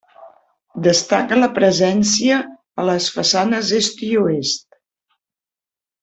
Destaca la presència a les façanes est i oest.